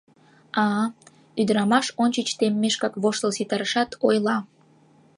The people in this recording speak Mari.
— А-а... — ӱдырамаш ончыч теммешкак воштыл ситарышат, ойла.